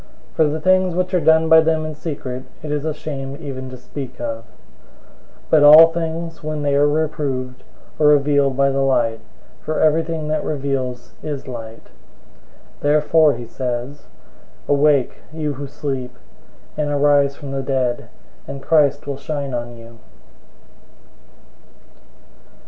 005:012 For the things which are done by them in secret, it is a shame even to speak of. 005:013 But all things, when they are reproved, are revealed by the light, for everything that reveals is light. 005:014 Therefore he says, "Awake, you who sleep, and arise from the dead, and Christ will shine on you."